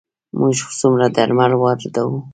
موږ څومره درمل واردوو؟